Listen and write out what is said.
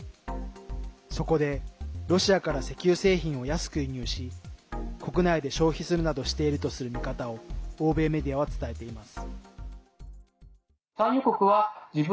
そこで、ロシアから石油製品を安く輸入し国内で消費するなどしているとする見方を欧米メディアは伝えています。